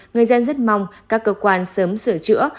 người dân rất mong các cơ quan sớm sửa chữa